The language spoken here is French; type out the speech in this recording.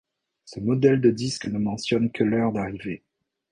Ce modèle de disque ne mentionne que l'heure d'arrivée.